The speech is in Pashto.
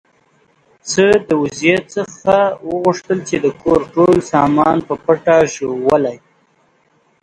پسه د وزې څخه وغوښتل چې د کور ټول سامان په پټه ژوولی.